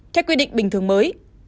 theo quy định bình thường mới